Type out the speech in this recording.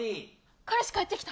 彼氏、帰ってきた！